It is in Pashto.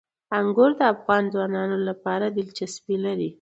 انګور د افغان ځوانانو لپاره دلچسپي لري.